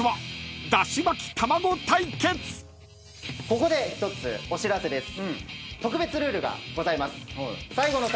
ここで１つお知らせです。